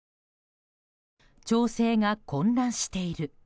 町政が混乱している。